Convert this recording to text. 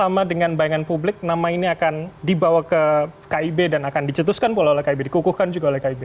sama dengan bayangan publik nama ini akan dibawa ke kib dan akan dicetuskan pula oleh kib dikukuhkan juga oleh kib